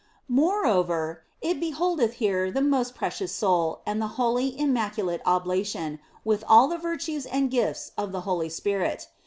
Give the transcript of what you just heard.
Moreover, it beholdeth here the most Precious Soul and the holy, immaculate oblation, with all the virtues and gifts of the Holy Spirit.